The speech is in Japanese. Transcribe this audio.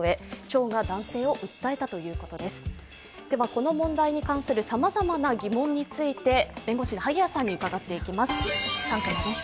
この問題に関するさまざまな疑問について弁護士の萩谷さんに伺っていきます、３コマです。